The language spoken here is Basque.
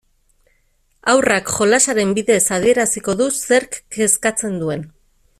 Haurrak jolasaren bidez adieraziko du zerk kezkatzen duen.